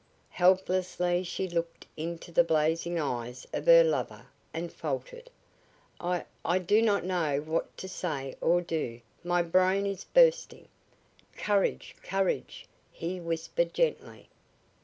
Helplessly she looked into the blazing eyes of her lover and faltered: "I I do not know what to say or do. My brain is bursting!" "Courage, courage!" he whispered, gently.